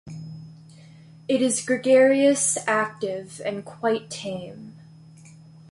It is gregarious, active and quite tame.